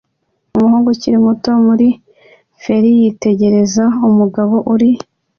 Umuhungu ukiri muto muri feri yitegereza umugabo uri